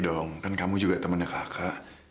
dan kamu juga teman kakak